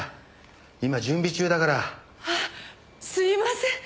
今準備中だから。あっすみません！